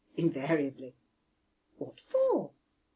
"Invariably." "What for?"